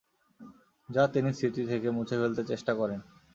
যা তিনি স্মৃতি থেকে মুছে ফেলতে চেষ্টা করেন।